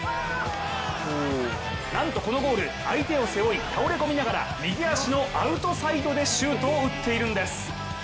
なんとこのゴール、相手を背負い、倒れ込みながら右足のアウトサイドでシュートを打っているんです。